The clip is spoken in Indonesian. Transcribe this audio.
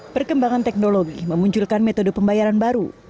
perkembangan teknologi memunculkan metode pembayaran baru